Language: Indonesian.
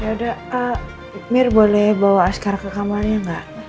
yaudah mir boleh bawa askara ke kamarnya gak